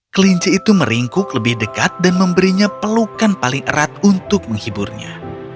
kelinci itu meringkuk lebih dekat dan memberinya pelukan paling erat untuk menghiburnya